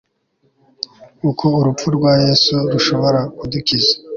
uko urupfu rwa yesu rushobora kudukiza